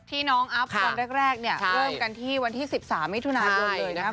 ที่น้องอัพตอนแรกเนี่ยเริ่มกันที่วันที่๑๓มิถุนายนเลยนะครับ